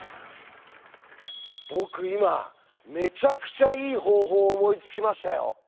僕今めちゃくちゃいい方法思いつきましたよ。